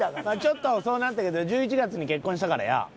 まあちょっと遅うなったけど１１月に結婚したからや。